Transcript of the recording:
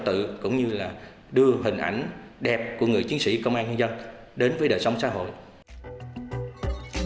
tự cũng như là đưa hình ảnh đẹp của người chiến sĩ công an nhân dân đến với công an nhân dân